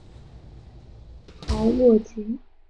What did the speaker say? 豪洛吉。